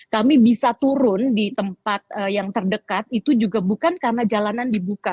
kami bisa turun di tempat yang terdekat itu juga bukan karena jalanan dibuka